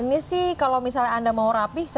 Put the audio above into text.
ini sih kalau misalnya anda mau rapi